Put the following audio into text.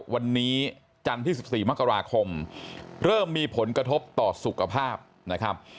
วันนี้จันทร์ที่๑๔มกราคมเริ่มมีผลกระทบต่อสุขภาพนะครับ